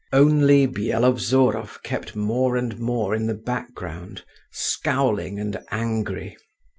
Only Byelovzorov kept more and more in the background, scowling and angry….